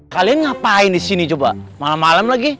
kalian ngapain di sini coba malam malam lagi